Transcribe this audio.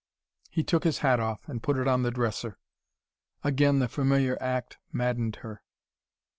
He took his hat off, and put it on the dresser. Again the familiar act maddened her.